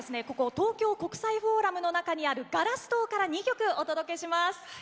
ここ東京国際フォーラムの中にあるガラス棟から２曲お届けします。